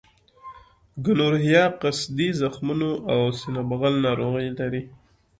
ګونورهیا قصدي زخمونو او سینه بغل ناروغۍ لري.